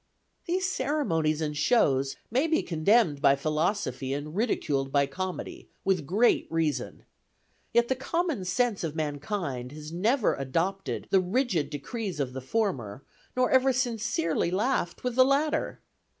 "These ceremonies and shows may be condemned by philosophy and ridiculed by comedy, with great reason. Yet the common sense of mankind has never adopted the rigid decrees of the former, nor ever sincerely laughed with the latter.